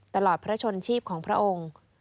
พระชนชีพของพระองค์